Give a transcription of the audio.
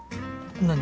何？